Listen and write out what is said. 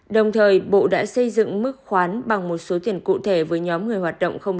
đồng thời bộ đã xây dựng mức khoán bằng một số tiền cụ thể với nhóm người hoạt động không